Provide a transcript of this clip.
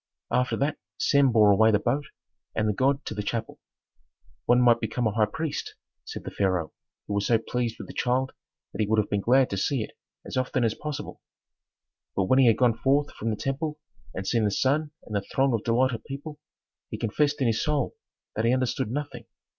After that Sem bore away the boat and the god to the chapel. "One might become a high priest," said the pharaoh, who was so pleased with the child that he would have been glad to see it as often as possible. But when he had gone forth from the temple and seen the sun and the throng of delighted people, he confessed in his soul that he understood nothing.